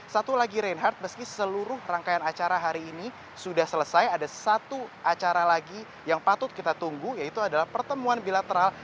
satu lagi reinhardt meski seluruh rangkaian acara hari ini sudah selesai ada satu acara lagi yang patut kita tunggu yaitu adalah pertemuan bilateral